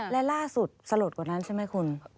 และล่าสุดสลดกว่านั้นใช่ไหมคุณ